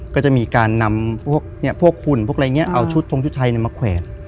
ก็จะมีการนำพวกหุ่นพวกอะไรอย่างนี้เอาชุดทรงชุดไทยมาแขวน